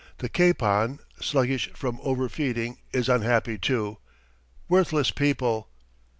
The capon, sluggish from over feeding, is unhappy, too. Worthless people!"